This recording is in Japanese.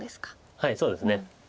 はいそうです。